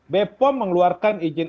b pom mengeluarkan ijinan